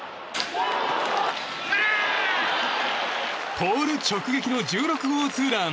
ポール直撃の１６号ツーラン！